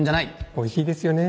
おいしいですよね